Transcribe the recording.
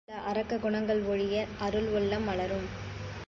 நம்மிடம் உள்ள அரக்க குணங்கள் ஒழிய அருள் உள்ளம் மலரும்.